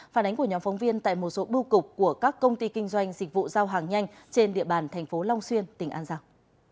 phản ánh của nhóm phóng viên tại một số bưu cục của các công ty kinh doanh dịch vụ giao hàng nhanh trên địa bàn thành phố long xuyên tỉnh an giang